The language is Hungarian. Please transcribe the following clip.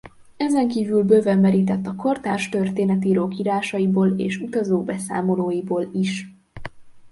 Ezenkívül bőven merített a kortárs történetírók írásaiból és utazók beszámolóiból is.